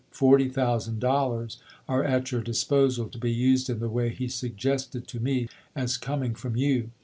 Forty thousand dollars are at your disposal, to be used in the way he suggested to me as coming from you.